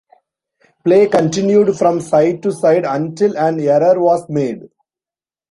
Play continued from side to side until an error was made.